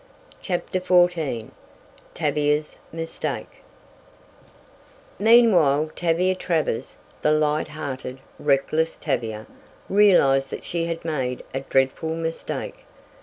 CHAPTER XIV TAVIA'S MISTAKE Meanwhile Tavia Travers, the light hearted, reckless Tavia, realized that she had made a dreadful mistake.